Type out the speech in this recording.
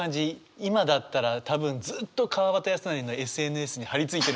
今だったら多分ずっと川端康成のＳＮＳに張り付いてる。